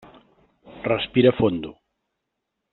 Respira fondo.